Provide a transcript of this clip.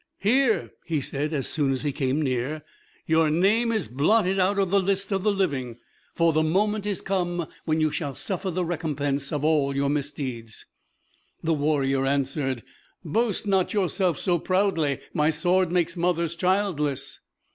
"Hear," he said, as soon as he came near, "your name is blotted out of the list of the living; for the moment is come when you shall suffer the recompense of all your misdeeds." The warrior answered, "Boast not yourself so proudly. My sword makes mothers childless."